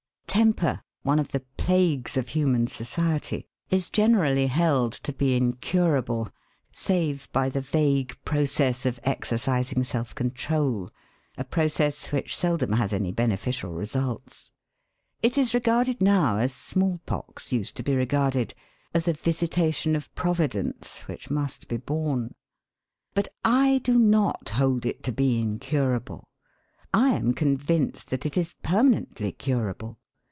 'Temper,' one of the plagues of human society, is generally held to be incurable, save by the vague process of exercising self control a process which seldom has any beneficial results. It is regarded now as smallpox used to be regarded as a visitation of Providence, which must be borne. But I do not hold it to be incurable. I am convinced that it is permanently curable.